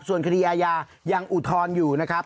ส่วนคดีอาญายังอุทธรณ์อยู่นะครับ